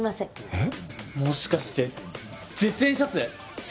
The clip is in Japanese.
えっ？